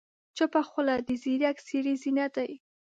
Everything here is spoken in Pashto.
چپه خوله، د ځیرک سړي زینت دی.